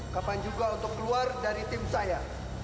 kapan juga untuk keluar dari tim saya